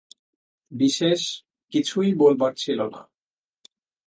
বিশেষ কিছুই বলবার ছিল না।